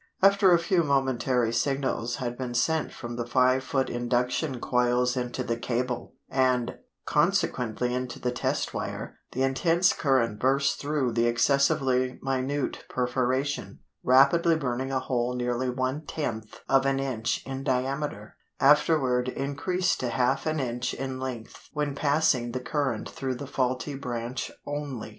After a few momentary signals had been sent from the five foot induction coils into the cable, and, consequently into the test wire, the intense current burst through the excessively minute perforation, rapidly burning a hole nearly one tenth of an inch in diameter, afterward increased to half an inch in length when passing the current through the faulty branch only.